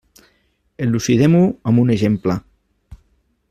Elucidem-ho amb un exemple.